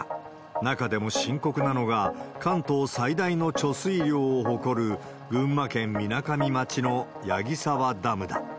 中でも深刻なのが、関東最大の貯水量を誇る、群馬県みなかみ町の矢木沢ダムだ。